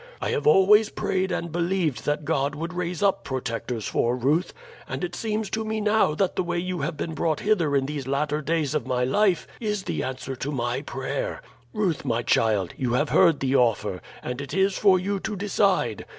I have always prayed and believed that God would raise up protectors for Ruth, and it seems to me now that the way you have been brought hither in these latter days of my life is the answer to my prayer. Ruth, my child, you have heard the offer, and it is for you to decide.